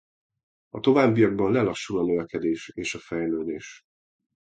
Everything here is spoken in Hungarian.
A továbbiakban lelassul a növekedés és a fejlődés.